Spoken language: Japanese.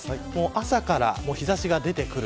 朝から日差しが出てくる。